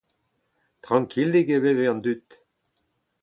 Trankilik e veve an dud.